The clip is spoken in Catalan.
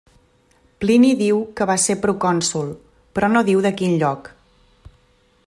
Plini diu que va ser procònsol, però no diu de quin lloc.